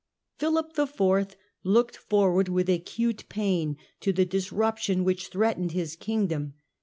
Philip IV. looked forward with acute pain to the dis ruption which threatened his kingdom.